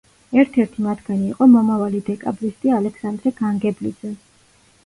ერთ-ერთი მათგანი იყო მომავალი დეკაბრისტი ალესანდრე განგებლიძე.